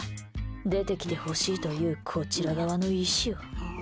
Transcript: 出てきてほしいというこちら側の意志を。